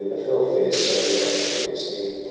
The fell fares settled on the thickets near.